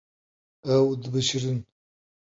Ew dibişirin.